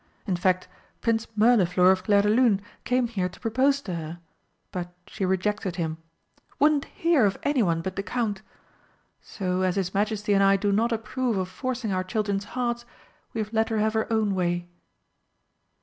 In fact, Prince Mirliflor of Clairdelune came here to propose to her, but she rejected him. Wouldn't hear of anyone but the Count! So as His Majesty and I do not approve of forcing our children's hearts, we have let her have her own way."